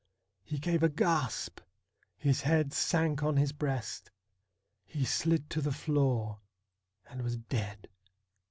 He gave a gasp ; his head sank on his breast ; he slid to the floor, and was dead.